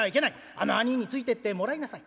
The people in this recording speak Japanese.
あの兄ぃについてってもらいなさい。